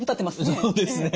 そうですね。